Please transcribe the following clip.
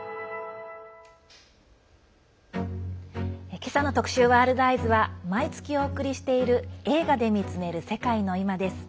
今朝の特集「ワールドＥＹＥＳ」は毎月お送りしている「映画で見つめる世界のいま」。